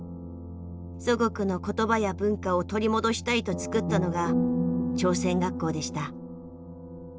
祖国の言葉や文化を取り戻したいとつくったのが朝鮮学校でした。